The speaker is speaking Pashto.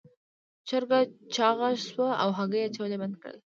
چرګه چاغه شوه او هګۍ اچول یې بند کړل.